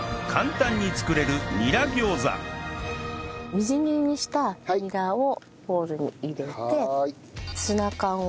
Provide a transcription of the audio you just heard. みじん切りにしたニラをボウルに入れてツナ缶を。